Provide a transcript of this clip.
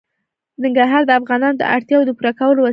ننګرهار د افغانانو د اړتیاوو د پوره کولو وسیله ده.